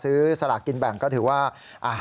ซื้อสลักกินแบ่งก็ถือว่า